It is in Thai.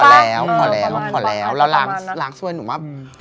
ขอแล้วขอแล้วขอแล้วแล้วล้างสวยหนูมาก